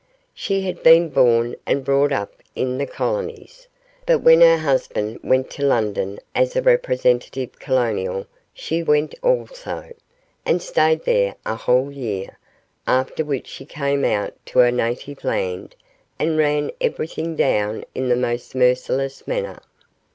She had been born and brought up in the colonies, but when her husband went to London as a representative colonial she went also, and stayed there a whole year, after which she came out to her native land and ran everything down in the most merciless manner.